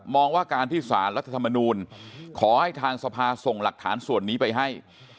ว่าการที่สารรัฐธรรมนูลขอให้ทางสภาส่งหลักฐานส่วนนี้ไปให้